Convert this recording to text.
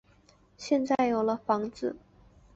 现在有了房子